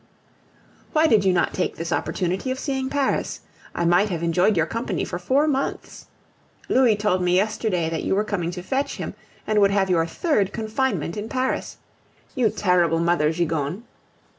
Why did you not take this opportunity of seeing Paris? I might have enjoyed your company for four months. Louis told me yesterday that you were coming to fetch him, and would have your third confinement in Paris you terrible mother Gigogne!